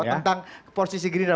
tentang posisi gerindra